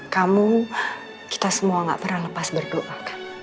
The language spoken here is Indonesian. kamu kita semua gak pernah lepas berdoa